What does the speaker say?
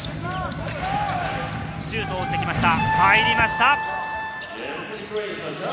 シュートを打ってきました。